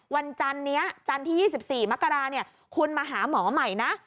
จันนี้จันทร์ที่๒๔มกราคุณมาหาหมอใหม่นะ